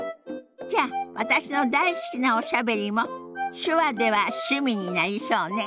じゃあ私の大好きな「おしゃべり」も手話では趣味になりそうね。